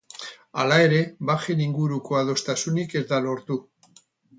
Hala ere, bajen inguruko adostasunik ez da lortu.